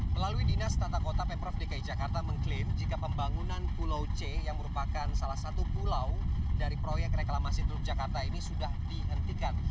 melalui dinas tata kota pemprov dki jakarta mengklaim jika pembangunan pulau c yang merupakan salah satu pulau dari proyek reklamasi teluk jakarta ini sudah dihentikan